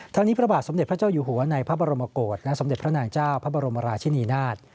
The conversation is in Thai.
ทั้งนี้พระบาทสมเด็จพระเจ้าอยู่หัวในพระบรมโกศและสมเด็จพระนางเจ้าพระบรมราชินีนาฏ